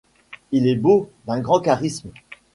Il est beau, d'un grand charisme.